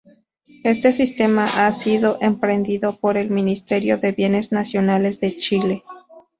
Este sistema ha sido emprendido por el Ministerio de Bienes Nacionales de Chile.